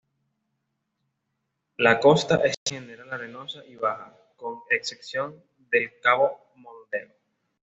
La costa es en general arenosa y baja, con excepción del cabo Mondego.